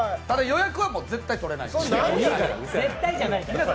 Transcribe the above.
ただ、予約は絶対取れないです。